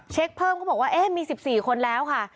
เช็คเพิ่มก็บอกว่าเอ๊ะมี๑๔คนแล้วค่ะ